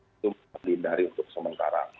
itu dihindari untuk sementara